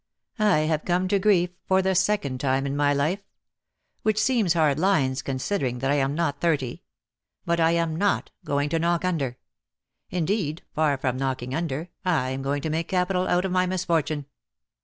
"I have come to grief for the second time in my life —• which seems hard lines considering that I am not thirty — but I am not going to knock under. Indeed, far from knocking under, I am going to make capital out of my misfortune.